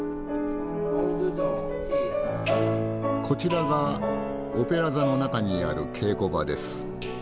こちらがオペラ座の中にある稽古場です。